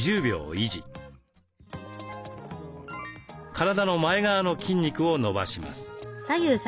体の前側の筋肉を伸ばします。